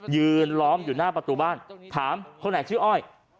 ยืนล้อมอยู่หน้าประตูบ้านถามคนไหนชื่ออ้อย